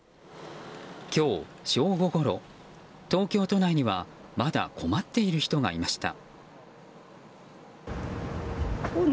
今日正午ごろ、東京都内にはまだ困っている人がいました。